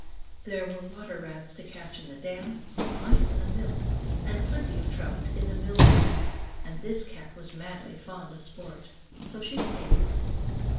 There were water rats to catch in the dam, mice in the mill, and plenty of trout in the mill lead, and this cat was madly fond of sport, so she stayed.